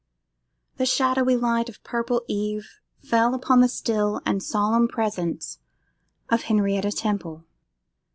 The shadowy light of purple eve fell upon the still and solemn presence of Henrietta Temple.